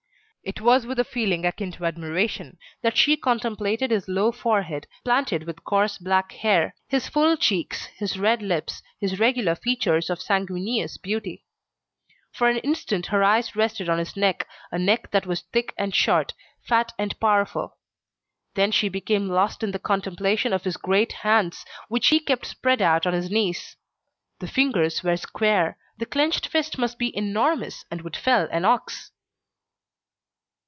It was with a feeling akin to admiration, that she contemplated his low forehead planted with coarse black hair, his full cheeks, his red lips, his regular features of sanguineous beauty. For an instant her eyes rested on his neck, a neck that was thick and short, fat and powerful. Then she became lost in the contemplation of his great hands which he kept spread out on his knees: the fingers were square; the clenched fist must be enormous and would fell an ox.